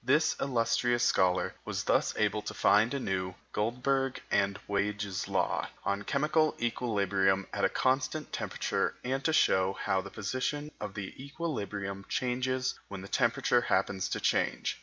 This illustrious scholar was thus able to find anew Guldberg and Waage's law on chemical equilibrium at a constant temperature, and to show how the position of the equilibrium changes when the temperature happens to change.